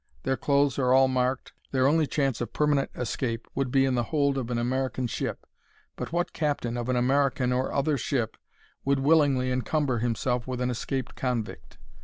Their clothes are all marked. Their only chance of a permanent escape would be in the hold of an American ship; but what captain of an American or other ship would willingly encumber himself with an escaped convict?